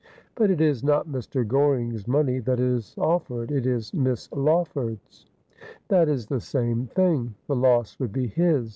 ' But it is not Mr. Goring's money that is offered ; it is Miss Lawford's.' ' That is the same thing. The loss would be his.